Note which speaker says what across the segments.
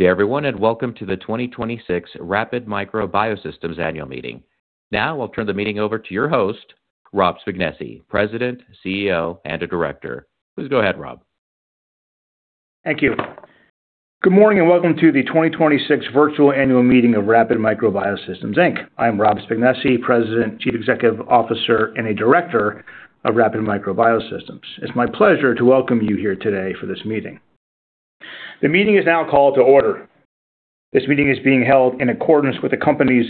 Speaker 1: Good day everyone, and welcome to the 2026 Rapid Micro Biosystems Annual Meeting. Now I'll turn the meeting over to your host, Robert Spignesi, President, Chief Executive Officer, and a Director. Please go ahead, Robert.
Speaker 2: Thank you. Good morning and welcome to the 2026 virtual annual meeting of Rapid Micro Biosystems, Inc. I am Robert Spignesi, President, Chief Executive Officer, and a Director of Rapid Micro Biosystems. It's my pleasure to welcome you here today for this meeting. The meeting is now called to order. This meeting is being held in accordance with the company's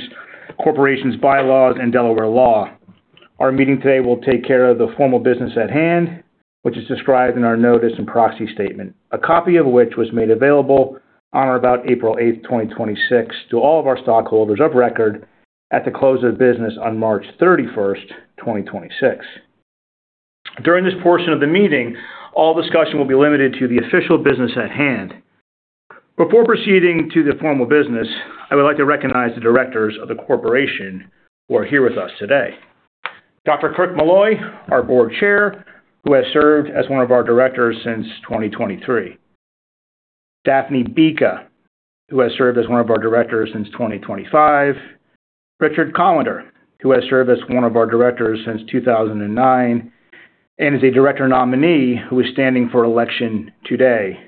Speaker 2: bylaws and Delaware law. Our meeting today will take care of the formal business at hand, which is described in our notice and proxy statement, a copy of which was made available on or about April 8th, 2026, to all of our stockholders of record at the close of business on March 31st, 2026. During this portion of the meeting, all discussion will be limited to the official business at hand. Before proceeding to the formal business, I would like to recognize the directors of the corporation who are here with us today. Dr. Kirk D. Malloy, our Board Chair, who has served as one of our Directors since 2023. Dafni Bika, who has served as one of our directors since 2025. Richard Kollender, who has served as one of our directors since 2009 and is a director nominee who is standing for election today.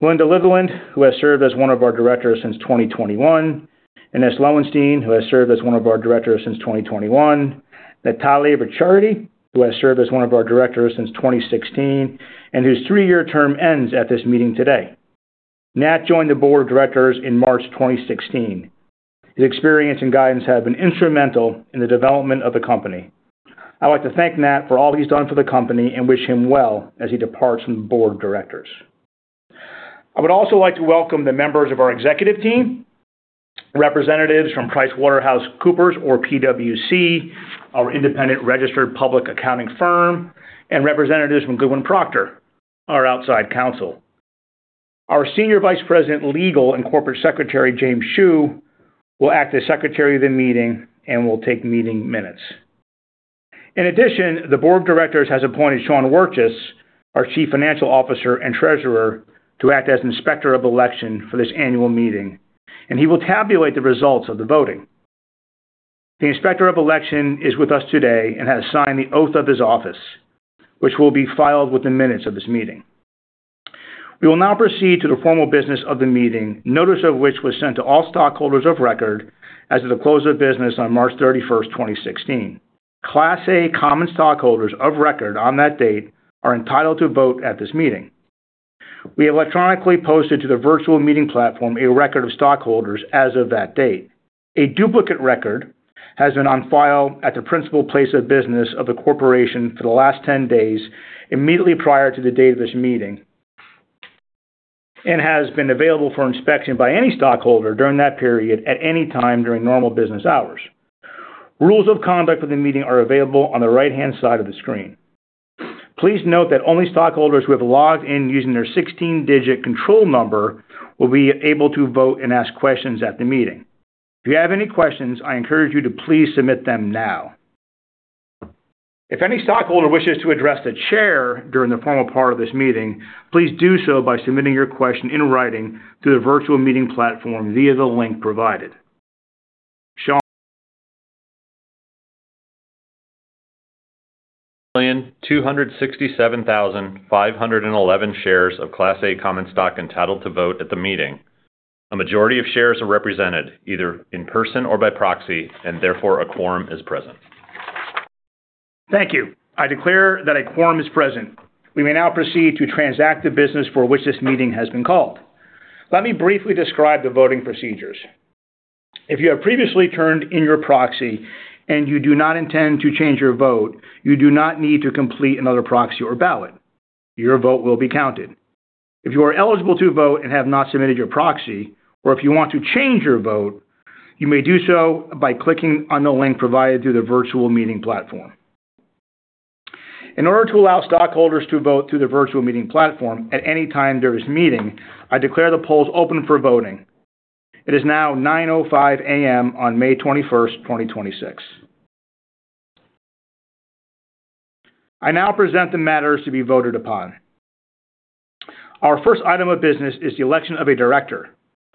Speaker 2: Melinda Litherland, who has served as one of our directors since 2021. Inese Lowenstein, who has served as one of our directors since 2021. Natale Ricciardi, who has served as one of our directors since 2016 and whose three year term ends at this meeting today. Nat joined the board of directors in March 2016. His experience and guidance have been instrumental in the development of the company. I'd like to thank Nat for all he's done for the company and wish him well as he departs from the Board of Directors. I would also like to welcome the members of our executive team, representatives from PricewaterhouseCoopers or PwC, our independent registered public accounting firm, and representatives from Goodwin Procter, our outside counsel. Our Senior Vice President, Legal and Corporate Secretary, James Xu, will act as secretary of the meeting and will take meeting minutes. In addition, the Board of Directors has appointed Sean Wirtjes, our Chief Financial Officer and Treasurer, to act as Inspector of Election for this annual meeting, and he will tabulate the results of the voting. The Inspector of Election is with us today and has signed the oath of his office, which will be filed with the minutes of this meeting. We will now proceed to the formal business of the meeting, notice of which was sent to all stockholders of record as of the close of business on March 31st, 2016. Class A common stockholders of record on that date are entitled to vote at this meeting. We electronically posted to the virtual meeting platform a record of stockholders as of that date. A duplicate record has been on file at the principal place of business of the corporation for the last 10 days immediately prior to the date of this meeting, and has been available for inspection by any stockholder during that period at any time during normal business hours. Rules of conduct of the meeting are available on the right-hand side of the screen. Please note that only stockholders who have logged in using their 16-digit control number will be able to vote and ask questions at the meeting. If you have any questions, I encourage you to please submit them now. If any stockholder wishes to address the chair during the formal part of this meeting, please do so by submitting your question in writing through the virtual meeting platform via the link provided. Sean?
Speaker 3: 1,267,511 shares of Class A common stock entitled to vote at the meeting. A majority of shares are represented either in person or by proxy, and therefore a quorum is present.
Speaker 2: Thank you. I declare that a quorum is present. We may now proceed to transact the business for which this meeting has been called. Let me briefly describe the voting procedures. If you have previously turned in your proxy and you do not intend to change your vote, you do not need to complete another proxy or ballot. Your vote will be counted. If you are eligible to vote and have not submitted your proxy, or if you want to change your vote, you may do so by clicking on the link provided through the virtual meeting platform. In order to allow stockholders to vote through the virtual meeting platform at any time during this meeting, I declare the polls open for voting. It is now 9:05 A.M. on May 21st, 2026. I now present the matters to be voted upon. Our first item of business is the election of a Director.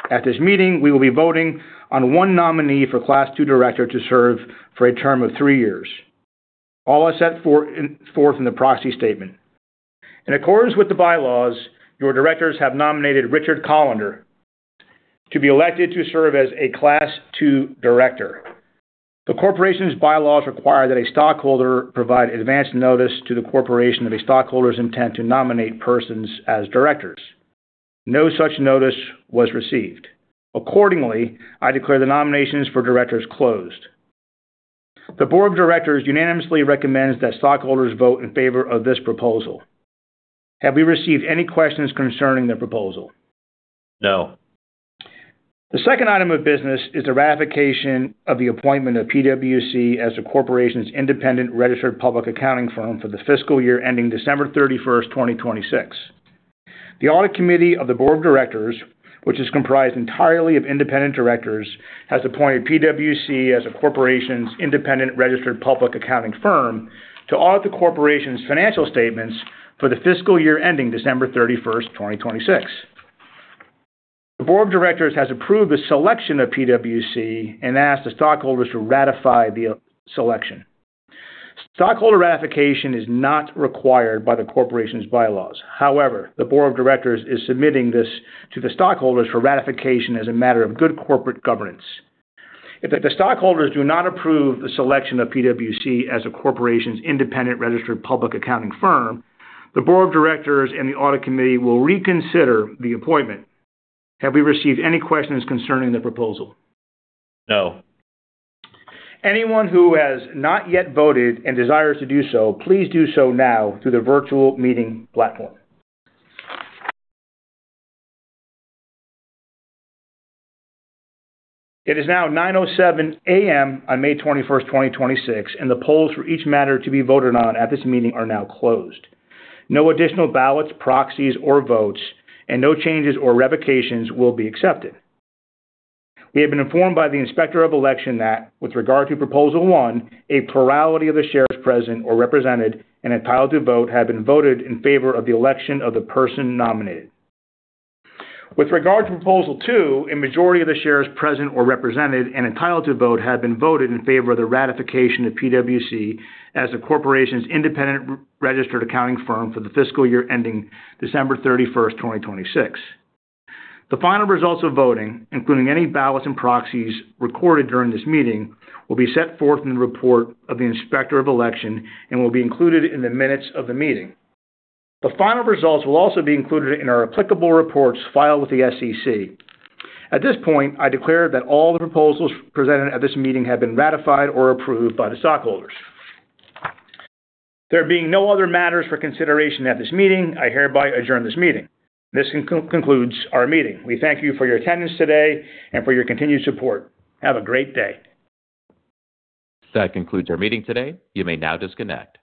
Speaker 2: At this meeting, we will be voting on one nominee for Class II Director to serve for a term of three years. All as set forth in the proxy statement. In accordance with the bylaws, your Directors have nominated Richard Kollender to be elected to serve as a Class II Director. The corporation's bylaws require that a stockholder provide advanced notice to the corporation of a stockholder's intent to nominate persons as Directors. No such notice was received. Accordingly, I declare the nominations for Directors closed. The Board of Directors unanimously recommends that stockholders vote in favor of this proposal. Have we received any questions concerning the proposal?
Speaker 1: No.
Speaker 2: The second item of business is the ratification of the appointment of PwC as the corporation's independent registered public accounting firm for the fiscal year ending December 31st, 2026. The audit committee of the Board of Directors, which is comprised entirely of independent directors, has appointed PwC as the corporation's independent registered public accounting firm to audit the corporation's financial statements for the fiscal year ending December 31st, 2026. The Board of Directors has approved the selection of PwC and asked the stockholders to ratify the selection. Stockholder ratification is not required by the corporation's bylaws. The board of directors is submitting this to the stockholders for ratification as a matter of good corporate governance. If the stockholders do not approve the selection of PwC as the corporation's independent registered public accounting firm, the Board of Directors and the Audit Committee will reconsider the appointment. Have we received any questions concerning the proposal?
Speaker 1: No.
Speaker 2: Anyone who has not yet voted and desires to do so, please do so now through the virtual meeting platform. It is now 9:07 A.M. on May 21st, 2026, and the polls for each matter to be voted on at this meeting are now closed. No additional ballots, proxies, or votes, and no changes or revocations will be accepted. We have been informed by the Inspector of Election that with regard to Proposal one, a plurality of the shares present or represented and entitled to vote have been voted in favor of the election of the person nominated. With regard to Proposal two, a majority of the shares present or represented and entitled to vote have been voted in favor of the ratification of PwC as the corporation's independent registered accounting firm for the fiscal year ending December 31st, 2026. The final results of voting, including any ballots and proxies recorded during this meeting, will be set forth in the report of the Inspector of Election and will be included in the minutes of the meeting. The final results will also be included in our applicable reports filed with the SEC. At this point, I declare that all the proposals presented at this meeting have been ratified or approved by the stockholders. There being no other matters for consideration at this meeting, I hereby adjourn this meeting. This concludes our meeting. We thank you for your attendance today and for your continued support. Have a great day.
Speaker 1: That concludes our meeting today. You may now disconnect.